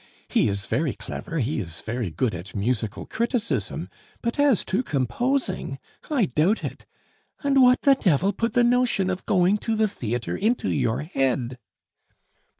He is very clever, he is very good at musical criticism, but as to composing I doubt it! And what the devil put the notion of going to the theatre into your head?"